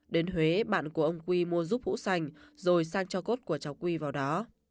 đến huế bạn của ông quy mua rút hũ xanh rồi sang cho cốt của cháu quy vào đó